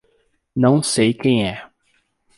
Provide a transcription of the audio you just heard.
Não sei quem é.